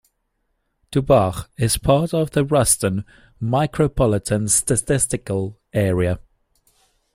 Dubach is part of the Ruston Micropolitan Statistical Area.